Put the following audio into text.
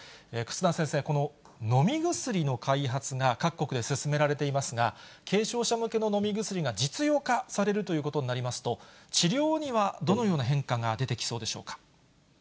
忽那先生、この飲み薬の開発が各国で進められていますが、軽症者向けの飲み薬が実用化されるということになりますと、治療にはどのような変化が出てきそうでしょうか。